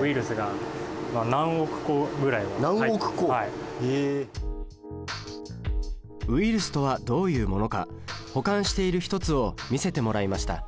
ウイルスとはどういうものか保管している一つを見せてもらいました